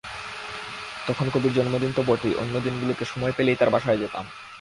তখন কবির জন্মদিনে তো বটেই, অন্য দিনগুলোতে সময় পেলেই তাঁর বাসায় যেতাম।